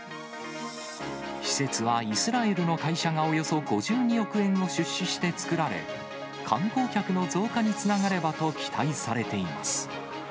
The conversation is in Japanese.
施設はイスラエルの会社がおよそ５２億円を出資してつくられ、観光客の増加につながればと、期待されています。